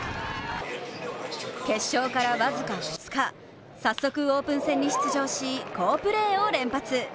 決勝から僅か２日、早速オープン戦に出場し、好プレーを連発。